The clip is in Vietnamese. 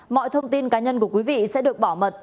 mọi thông tin cá nhân của quý vị sẽ được bảo mật